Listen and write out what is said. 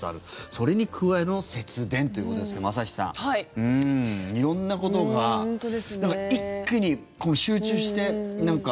それに加えの節電ということですけど朝日さん、色んなことが一気に集中して。